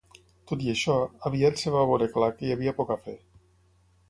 Tot i això, aviat es va veure clar que hi havia poc a fer.